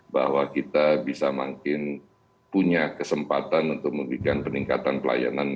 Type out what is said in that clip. bahwa kita bisa makin punya kesempatan untuk memberikan peningkatan pelayanan